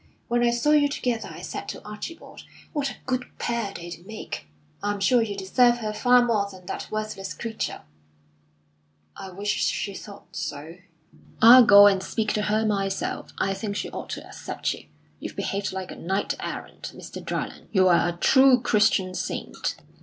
When I saw you together I said to Archibald: 'What a good pair they'd make!' I'm sure you deserve her far more than that worthless creature." "I wish she thought so." "I'll go and speak to her myself. I think she ought to accept you. You've behaved like a knight errant, Mr. Dryland. You're a true Christian saint."